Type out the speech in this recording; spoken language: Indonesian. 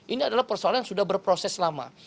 ini adalah persoalan yang sudah berproses lama